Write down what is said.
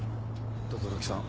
轟さん